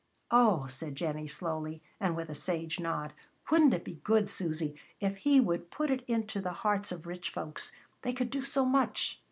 "Oh!" said Jennie slowly, and with a sage nod, "wouldn't it be good, Susy, if He would put it into the hearts of rich folks? they could do so much."